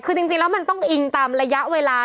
คือจริงแล้วมันต้องอิงตามระยะเวลา